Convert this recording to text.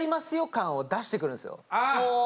感を出してくるんですよ。